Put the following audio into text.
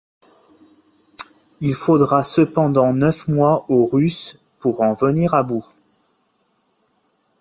Il faudra cependant neuf mois aux Russes pour en venir à bout.